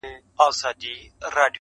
نیلی مي زین دی روانېږمه بیا نه راځمه-